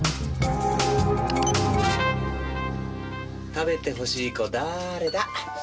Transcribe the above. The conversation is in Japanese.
食べてほしい子だれだ？